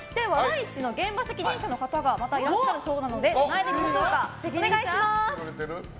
市の現場責任者の方がまたいらっしゃるそうなのでつないでみましょうか。